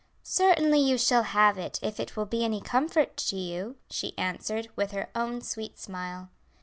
"Certainly you shall have it, if it will be any comfort to you," she answered, with her own sweet smile.